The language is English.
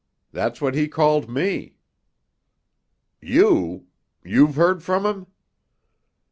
"That's what he called me." "You! You've heard from him?"